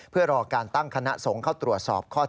เพื่อรอการตั้งคณะสงเข้าตรวจสอบข้อเทตจริง